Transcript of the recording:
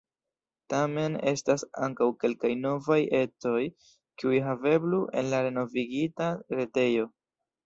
Tamen estas ankaŭ kelkaj novaj ecoj, kiuj haveblu en la renovigita retejo.